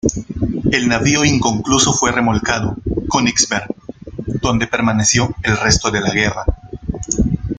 El navío inconcluso fue remolcado Königsberg, donde permaneció el resto de la guerra.